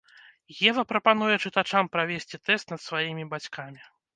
Ева прапануе чытачам правесці тэст над сваімі бацькамі.